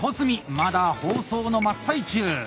まだ包装の真っ最中！